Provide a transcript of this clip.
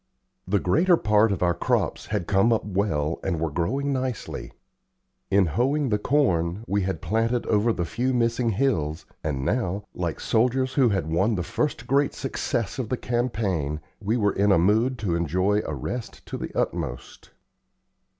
The greater part of our crops had come up well and were growing nicely. In hoeing the corn, we had planted over the few missing hills, and now, like soldiers who had won the first great success of the campaign, we were in a mood to enjoy a rest to the utmost.